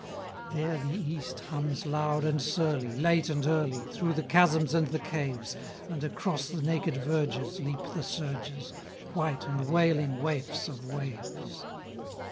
There the East hums loud and surly, Late and early, Through the chasms and the caves, And across the naked verges Leap the surges! White and wailing waifs of waves.